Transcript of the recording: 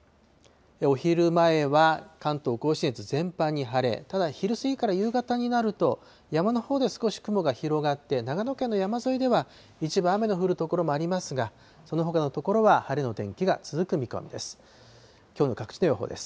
お昼前は関東甲信越全般に晴れ、ただ、昼過ぎから夕方になると、山のほうで少し雲が広がって、長野県の山沿いでは一部雨の降る所もありますが、そのほかの所は晴れの天気が続く見込みです。